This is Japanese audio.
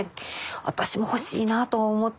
私も欲しいなと思って。